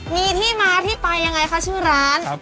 มีที่มาที่ไปยังไงคะชื่อร้าน